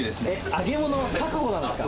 揚げものは覚悟なんですか？